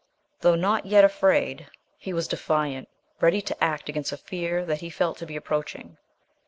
Though not yet afraid, he was defiant ready to act against a fear that he felt to be approaching.